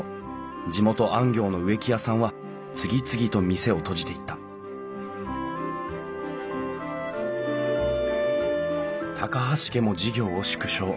地元安行の植木屋さんは次々と店を閉じていった高橋家も事業を縮小。